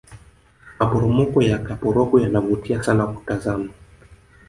maporomoko yakaporogwe yanavutia sana kuyatazama